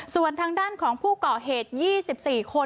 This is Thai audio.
ส่วนทางด้านของผู้เกาะเหตุ๒๔คน